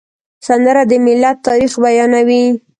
سندره د ملت تاریخ بیانوي